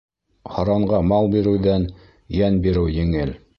Һаранға мал биреүҙән йән биреү еңел.